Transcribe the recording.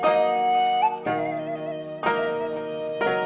yang ini udah kecium